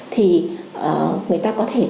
thì người ta có thể